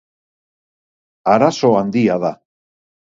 Arazo handia da.